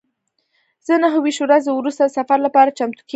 زه نهه ویشت ورځې وروسته د سفر لپاره چمتو کیږم.